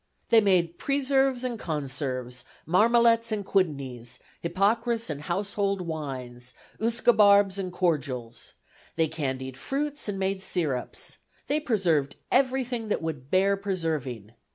"They made preserves and conserves, marmalets and quiddonies, hypocras and household wines, usquebarbs and cordials. They candied fruits and made syrups. They preserved everything that would bear preserving.